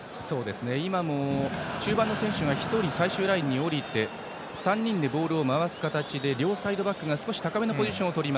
中盤の選手が１人最終ラインに下りて３人でボールを回す形で両サイドバックが少し高めのポジション。